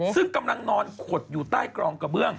ซึ่งกำลังนอนขดอยู่ใต้กรองกระเบื้อง